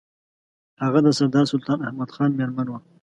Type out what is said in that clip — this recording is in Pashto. هغه د سردار سلطان احمد خان مېرمن وه.